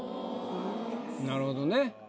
なるほどね。